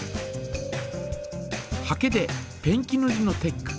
ハケでペンキぬりのテック。